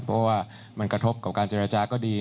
เพราะว่ามันกระทบกับการเจรจาก็ดี